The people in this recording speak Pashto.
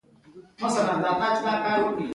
قلم د ذهن انځورګر دی